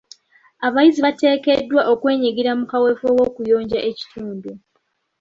Abayizi bateekeddwa okwenyigira mu kaweefube w'okuyonja ekitundu.